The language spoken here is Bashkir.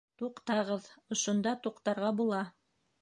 — Туҡтағыҙ, ошонда туҡтарға була.